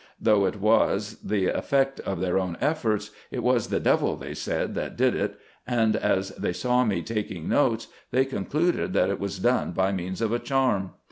Though it was the effect of their own efforts, it was the devil, they said, that did it ; and, as they saw me taking notes, they concluded that it was done by means of a charm.